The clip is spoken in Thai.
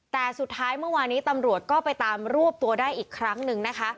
แต่สุดท้ายเมื่อวานี้ตำรวจก็ไปตามรวบตัวได้อีกครั้งหนึ่งนะคะ